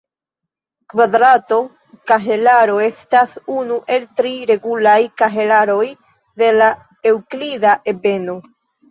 Kvadrato kahelaro estas unu el tri regulaj kahelaroj de la eŭklida ebeno.